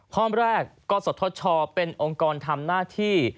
ข้อมแรกกศธชเป็นองค์กรทำหน้าที่